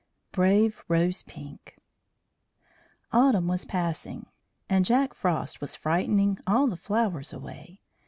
BRAVE ROSE PINK Autumn was passing, and Jack Frost was frightening all the flowers away.